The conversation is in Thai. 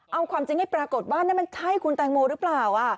เอาความจริงให้ปรากฏว่านั่นมันใช่คุณแตงโมหรือเปล่า